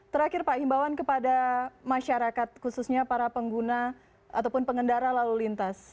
terakhir pak himbawan kepada masyarakat khususnya para pengguna ataupun pengendara lalu lintas